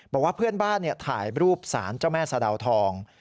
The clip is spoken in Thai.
บอกว่าเพื่อนบ้านถ่ายรูปสารเจ้าแม่สะดาวทอง